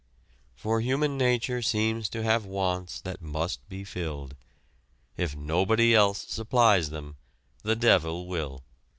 For human nature seems to have wants that must be filled. If nobody else supplies them, the devil will.